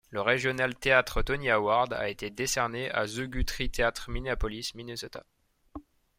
Le Regional Theatre Tony Award a été décerné à The Guthrie Theatre, Minneapolis, Minnesota.